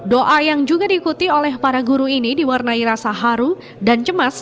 doa yang juga diikuti oleh para guru ini diwarnai rasa haru dan cemas